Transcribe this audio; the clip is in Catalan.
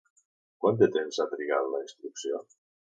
Quant de temps ha trigat la instrucció?